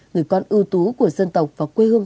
người con ưu tú của dân tộc và quê hương